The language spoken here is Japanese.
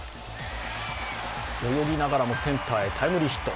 泳ぎながらもセンターへタイムリーヒット。